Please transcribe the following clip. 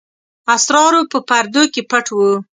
اسرارو په پردو کې پټ وو.